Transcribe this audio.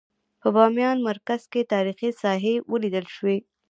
په بامیان مرکز کې تاریخي ساحې ولیدل شوې.